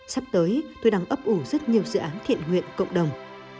sắp tới tôi đang ấp ủ rất nhiều dự án thiện nguyện cộng đồng